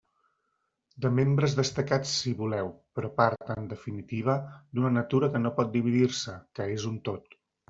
De membres destacats si voleu, però part, en definitiva, d'una natura que no pot dividir-se, que és un tot.